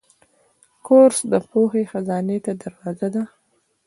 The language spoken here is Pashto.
کورس د پوهې خزانې ته دروازه ده.